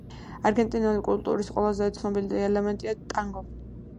არგენტინული კულტურის ყველაზე ცნობილი ელემენტია ტანგო.